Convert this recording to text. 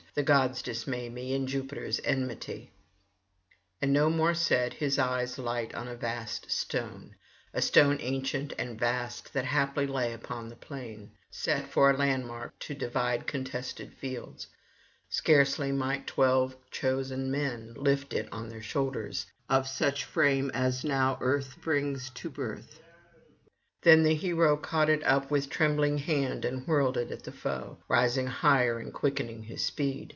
the gods dismay me, and Jupiter's enmity.' And no more said, his eyes light on a vast stone, a stone ancient and vast that haply lay upon the plain, set for a landmark to divide contested fields: scarcely might twelve chosen men lift it on their shoulders, of such frame as now earth brings to birth: then the hero caught it up with trembling hand and whirled it at the foe, rising higher and quickening his speed.